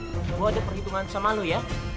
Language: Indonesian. lo jelas gue ada perhitungan sama lo ya